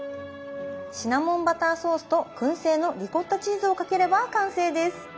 シナモンバターソースとくん製のリコッタチーズをかければ完成です！